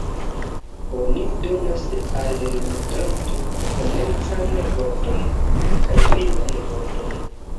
Oni donas al ludanto komencan vorton kaj finan vorton.